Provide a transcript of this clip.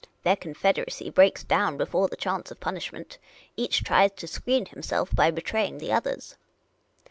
Their confederacy breaks down before the chance of punishment. Each tries to screen him self by betraying the others."